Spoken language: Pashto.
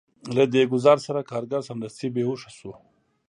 له دې ګزار سره کارګر سمدستي بې هوښه شو